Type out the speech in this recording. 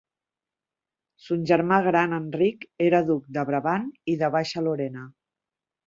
Son germà gran Enric era duc de Brabant i de Baixa Lorena.